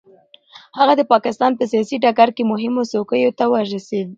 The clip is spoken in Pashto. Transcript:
هغه د پاکستان په سیاسي ډګر کې مهمو څوکیو ته ورسېد.